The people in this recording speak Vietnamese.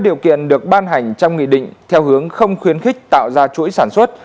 điều kiện được ban hành trong nghị định theo hướng không khuyến khích tạo ra chuỗi sản xuất